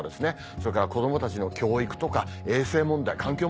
それから子供たちの教育とか衛生問題環境問題。